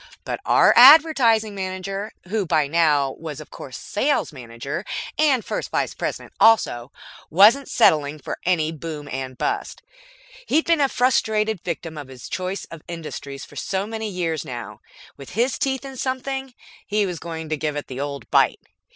But our Advertising Manager, who by now was of course Sales Manager and First Vice President also, wasn't settling for any boom and bust. He'd been a frustrated victim of his choice of industries for so many years that now, with his teeth in something, he was going to give it the old bite.